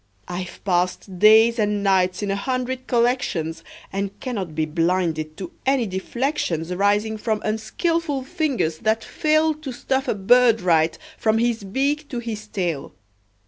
I've passed days and nights in a hundred collections, And cannot be blinded to any deflections Arising from unskilful fingers that fail To stuff a bird right, from his beak to his tail.